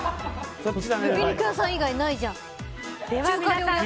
焼き肉屋さん以外ないじゃん。